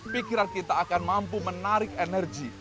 pikiran kita akan mampu menarik energi